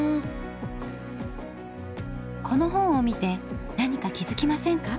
この本を見て何か気づきませんか？